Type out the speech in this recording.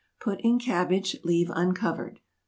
Put in cabbage. Leave uncovered.